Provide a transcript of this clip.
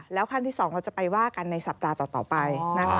แล้วขั้นที่๒เราจะไปว่ากันในสัปดาห์ต่อไปนะคะ